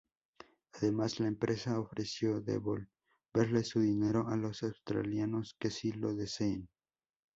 Además, la empresa ofreció devolverle su dinero a los australianos que así lo deseen.